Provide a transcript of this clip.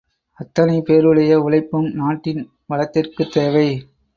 அத்தனை பேருடைய உழைப்பும் நாட்டின் வளத்திற்குத் தேவை.